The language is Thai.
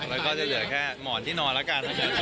แล้วก็จะเหลือแค่หมอนที่นอนแล้วกัน